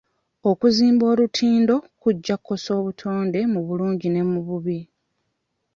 Okuzimba olutindo kujja kukosa obutonde mu bulungi ne mu bubi.